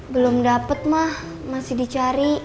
belum dapat mah masih dicari